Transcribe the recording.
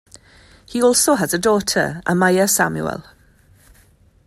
He also has a daughter, Amaiya Samuel.